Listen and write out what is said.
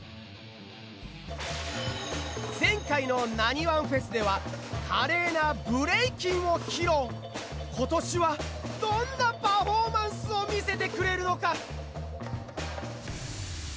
前回の「なにわんＦＥＳ」では華麗な今年はどんなパフォーマンスを見せてくれるのか。